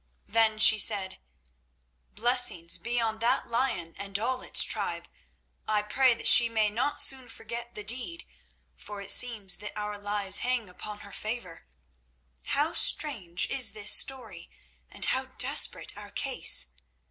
Then she said: "Blessings be on that lion and all its tribe! I pray that she may not soon forget the deed, for it seems that our lives hang upon her favour. How strange is this story, and how desperate our case!